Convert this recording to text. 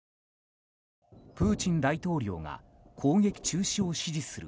プーチン大統領が攻撃中止を指示する